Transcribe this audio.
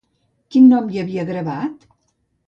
Quin mot hi havia gravat?